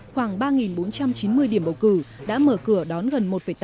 khoảng ba bốn trăm chín mươi điểm bầu cử đã mở cửa đón gần một tám triệu cử tri